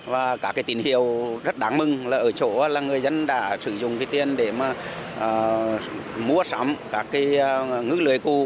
và cả cái tín hiệu rất đáng mừng là ở chỗ là người dân đã sử dụng cái tiền để mà mua sắm các cái ngư lưới cụ